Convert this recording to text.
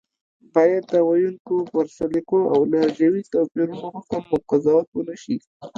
بايد د ویونکو پر سلیقو او لهجوي توپیرونو حکم او قضاوت ونشي